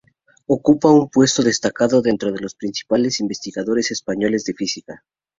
Ocupa un puesto destacado dentro de los principales investigadores españoles de física.